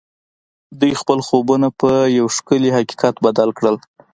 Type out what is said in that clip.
دوی خپل خوبونه پر یو ښکلي حقیقت بدل کړل